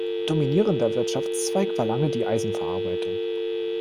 Dominierender Wirtschaftszweig war lange die Eisenverarbeitung.